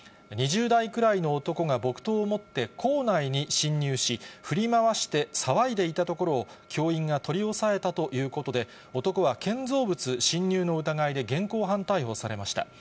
２０代くらいの男が木刀を持って校内に侵入し、振り回して騒いでいたところを、教員が取り押さえたということで、男は建造物侵入の疑いで現行犯逮捕されました。